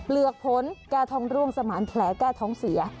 เหลือกผลแก้ท้องร่วงสมานแผลแก้ท้องเสีย